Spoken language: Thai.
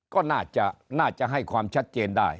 ก็น่าจะให้ความชัดเจนได้